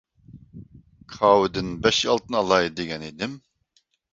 كاۋىدىن بەش-ئالتىنى ئالاي دېگەن ئىدىم.